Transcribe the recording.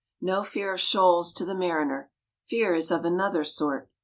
No fear of shoals to the mariner. Fear is of another sort.